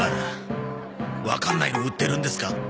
わかんないの売ってるんですか？